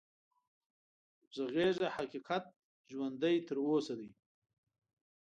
غږېږه حقيقت ژوندی تر اوسه دی